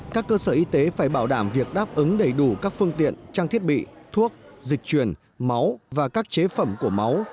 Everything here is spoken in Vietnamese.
các cơ sở y tế phải bảo đảm việc đáp ứng đầy đủ các phương tiện trang thiết bị thuốc dịch truyền máu và các chế phẩm của máu